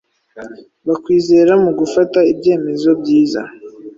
bakwizera mu gufata ibyemezo byiza